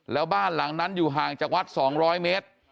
แล้วบ้านหลังนั้นอยู่ห่างจากวัด๒๐๐เมตร